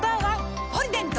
「ポリデント」